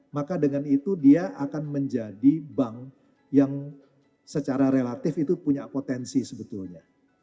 maka dengan itu dia akan menjadi bank yang secara relatif itu punya potensi sebetulnya